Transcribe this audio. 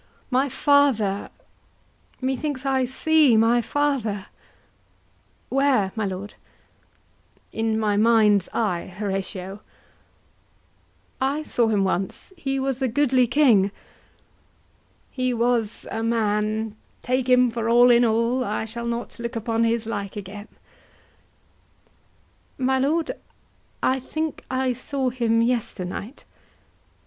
My father,—methinks I see my father. HORATIO. Where, my lord? HAMLET. In my mind's eye, Horatio. HORATIO. I saw him once; he was a goodly king. HAMLET. He was a man, take him for all in all, I shall not look upon his like again. HORATIO. My lord, I think I saw him yesternight. HAMLET.